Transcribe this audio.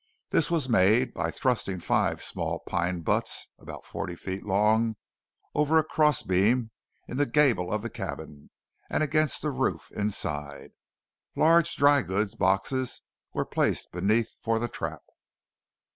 This was made by thrusting five small pine butts, about forty feet long, over a cross beam in the gable of the cabin and against the roof inside. Large drygoods boxes were placed beneath for the trap.